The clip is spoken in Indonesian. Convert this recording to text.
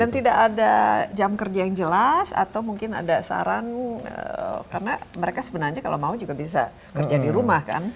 dan tidak ada jam kerja yang jelas atau mungkin ada saran karena mereka sebenarnya kalau mau juga bisa kerja di rumah kan